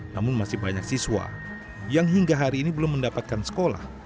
namun masih banyak siswa yang hingga hari ini belum mendapatkan sekolah